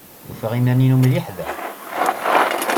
Ufiɣ iman-inu mliḥ da.